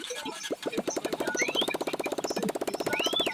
They see a man being killed by a giant.